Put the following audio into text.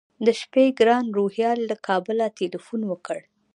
د شپې ګران روهیال له کابله تیلفون وکړ.